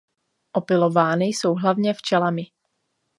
Opylovány jsou hlavně včelami.